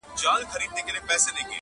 توره به یم خو د مکتب توره تخته یمه زه-